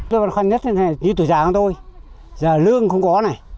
tôi khó khăn nhất là như tuổi già của tôi giờ lương không có này